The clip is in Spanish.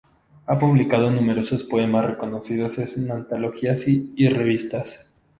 Ha publicado numerosos poemas conocidos en antologías y revistas.